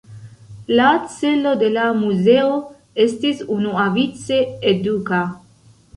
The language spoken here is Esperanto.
La celo de la muzeo estis unuavice eduka.